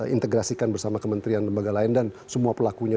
integrasikan bersama kementerian lembaga lain dan semua pelakunya